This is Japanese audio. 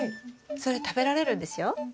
それ食べられるんですよ。